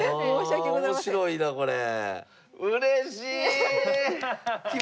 あ面白いなこれ。